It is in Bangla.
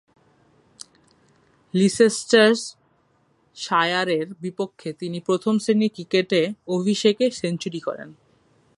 লিচেস্টারশায়ারের বিপক্ষে তিনি প্রথম-শ্রেণীর ক্রিকেটে অভিষেকে সেঞ্চুরি করেন।